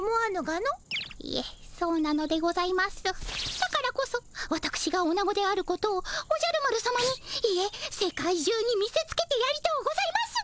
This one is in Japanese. だからこそわたくしがオナゴであることをおじゃる丸さまにいえ世界中に見せつけてやりとうございます。